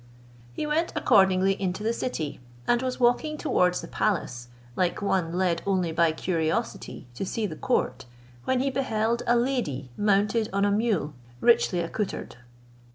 He went accordingly into the city, and was walking towards the palace, like one led only by curiosity to see the court, when he beheld a lady mounted on a mule richly accoutred.